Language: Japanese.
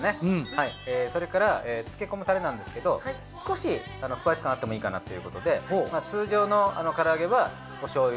はいそれから漬け込むタレなんですけど少しスパイス感あってもいいかなっていうことで通常の唐揚げはおしょうゆ